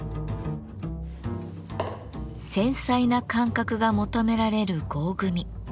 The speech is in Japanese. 繊細な感覚が求められる合組。